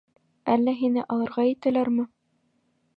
Әллә һине алырға итәләрме?